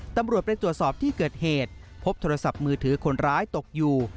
ตำรวจไปตรวจสอบที่เกิดเหตุพบโทรศัพท์มือถือคนร้ายตกอยู่